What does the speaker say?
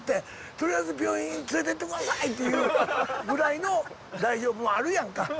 とりあえず病院連れてって下さいっていうぐらいの大丈夫もあるやんか。